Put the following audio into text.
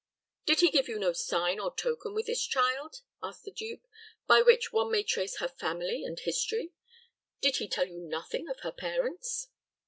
"Did he give you no sign or token with this child," asked the duke, "by which one may trace her family and history? Did he tell you nothing of her parents?"